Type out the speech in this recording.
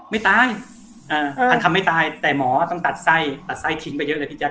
ไม่ตายพานคำไม่ตายแต่หมอต้องตัดไส้ทิ้งไปเยอะเลยพี่แจ๊ก